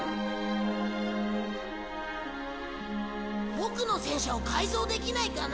ボクの戦車を改造できないかな？